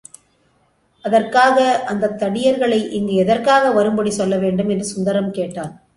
அதற்காக அந்தத் தடியர்களை இங்கு எதற்காக வரும்படி சொல்ல வேண்டும்? என்று சுந்தரம் கேட்டான்.